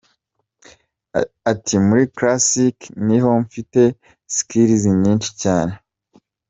Ati “ Muri Classic niho mfite Skills nyinshi cyane.